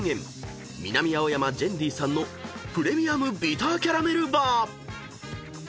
南青山「ＧＥＮＤＹ」さんのプレミアムビターキャラメルバー］